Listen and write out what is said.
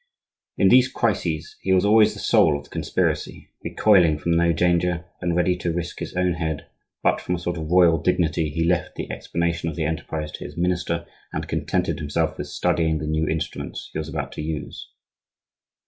In these crises he was always the soul of the conspiracy; recoiling from no danger and ready to risk his own head; but from a sort of royal dignity he left the explanation of the enterprise to his minister, and contented himself with studying the new instrument he was about to use.